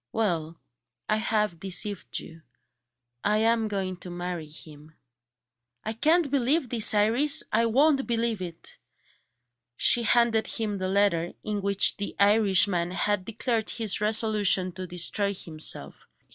Well, I have deceived you I am going to marry him." "I can't believe it, Iris! I won't believe it!" She handed him the letter, in which the Irishman had declared his resolution to destroy himself.